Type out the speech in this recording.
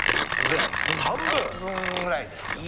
半分ぐらいですよ